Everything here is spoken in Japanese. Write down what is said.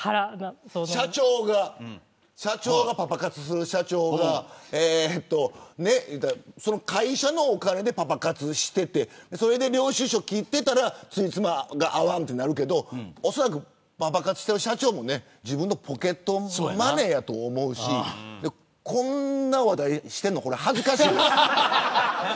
パパ活する社長が会社のお金でパパ活していてそれで領収証を切っていればつじつまが合わないとなるけどおそらくパパ活してる社長も自分のポケットマネーだと思うしこんな話題してるの恥ずかしいです。